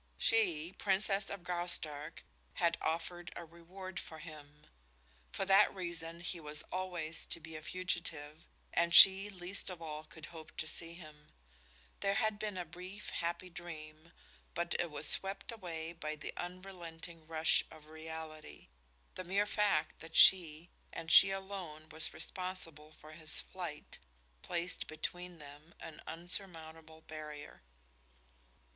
She, Princess of Graustark, had offered a reward for him. For that reason he was always to be a fugitive, and she least of all could hope to see him. There had been a brief, happy dream, but it was swept away by the unrelenting rush of reality. The mere fact that she, and she alone, was responsible for his flight placed between them an unsurmountable barrier.